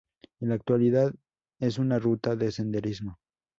En la actualidad es una ruta de senderismo.